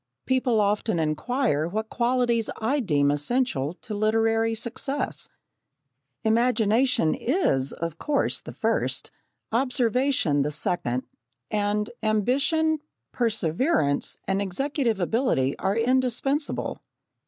People often inquire what qualities I deem essential to literary success. Imagination is, of course, the first, observation, the second, and ambition, perseverance and executive ability are indispensable.